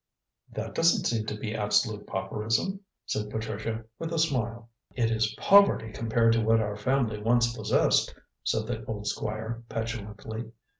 "That doesn't seem to be absolute pauperism," said Patricia, with a smile. "It is poverty compared to what our family once possessed," said the old Squire petulantly.